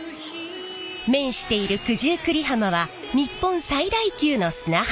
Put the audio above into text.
面している九十九里浜は日本最大級の砂浜海岸。